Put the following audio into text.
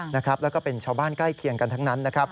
แล้วก็เป็นชาวบ้านใกล้เคียงกันทั้งนั้นนะครับ